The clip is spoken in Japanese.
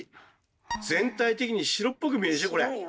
全体的に白っぽく見えるでしょ？